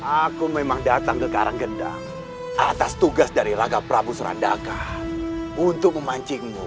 aku memang datang ke karanggendang atas tugas dari raga prabu serandaka untuk memancingmu